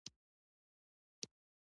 هګۍ سپینه پوښ لري.